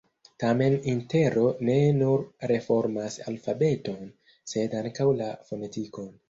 Tamen Intero ne nur reformas alfabeton, sed ankaŭ la fonetikon.